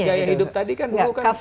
ya tadi gaya hidup tadi kan dulu kan